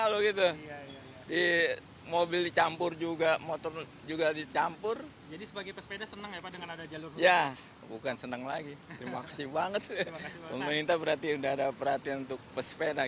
pemprov dki jakarta juga mengeluarkan wacana bagi pesepeda